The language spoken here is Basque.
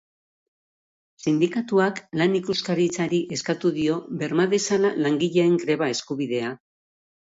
Sindikatuak Lan Ikuskaritzari eskatu dio berma dezala langileen greba-eskubidea.